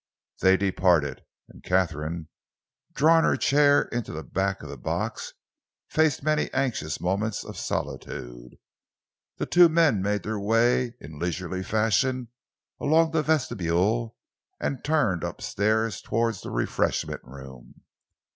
They departed, and Katharine, drawing her chair into the back of the box, faced many anxious moments of solitude. The two men made their way in leisurely fashion along the vestibule and turned upstairs towards the refreshment room.